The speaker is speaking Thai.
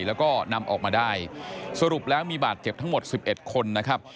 แล้วก็นำออกมาได้สรุปแล้วมีบาดเจ็บทั้งหมด๑๑คนนะครับ